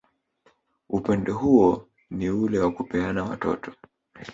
Upendo hou ni ule wa kupeana watoto